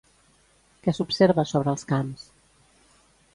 Què s'observa sobre els camps?